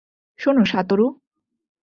শোনো, সাতোরু।